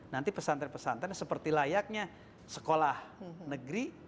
nanti pesantren pesantren seperti layaknya sekolah negeri diberi bantuan sekolah negara sekolah negara